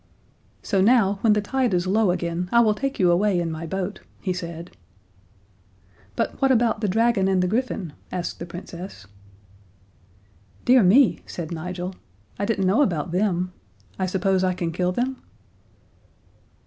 "So now, when the tide is low again, I will take you away in my boat," he said. "But what about the dragon and the griffin?" asked the Princess. "Dear me," said Nigel. "I didn't know about them. I suppose I can kill them?"